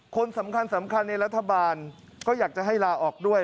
คนสำคัญสำคัญในรัฐบาลก็อยากจะให้ลาออกด้วย